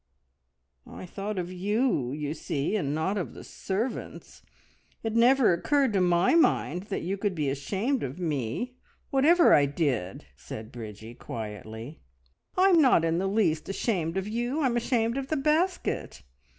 "I thought of you, you see, and not of the servants. It never occurred to my mind that you could be ashamed of me, whatever I did!" said Bridgie quietly. "I'm not in the least ashamed of you, I'm ashamed of the basket!